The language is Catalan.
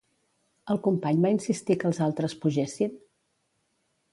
El company va insistir que els altres pugessin?